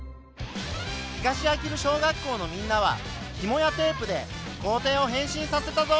東秋留小学校のみんなはひもやテープで校庭を変身させたぞ。